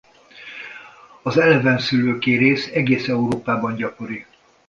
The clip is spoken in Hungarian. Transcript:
Az elevenszülő kérész egész Európában gyakori.